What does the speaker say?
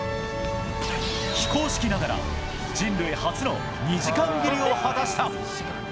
非公式ながら、人類初の２時間切りを果たした。